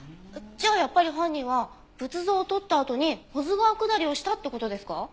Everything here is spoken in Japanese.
じゃあやっぱり犯人は仏像をとったあとに保津川下りをしたって事ですか？